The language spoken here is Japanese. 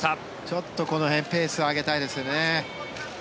ちょっとここでペースを上げたいですよね。